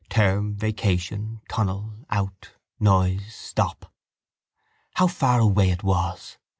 Term, vacation; tunnel, out; noise, stop. How far away it was!